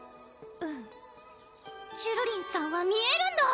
うんちゅるりんさんは見えるんだ！